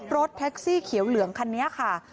รถแท็กซี่เขียวเหลืองคันนี้ค่ะ